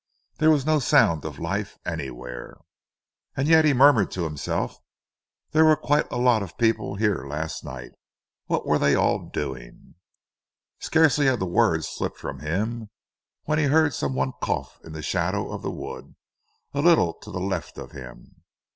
There was no sound of life anywhere. "And yet," he murmured to himself, "there were quite a lot of people here last night. What were they all doing?" Scarcely had the words slipped from him when he heard some one cough in the shadow of the wood, a little to the left of him.